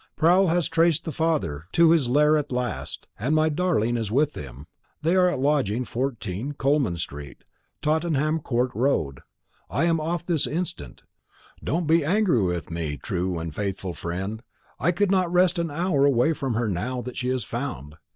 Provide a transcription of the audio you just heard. "Proul has traced the father to his lair at last, and my darling is with him. They are lodging at 14, Coleman street, Tottenham court road. I am off this instant. Don't be angry with me, true and faithful friend; I could not rest an hour away from her now that she is found.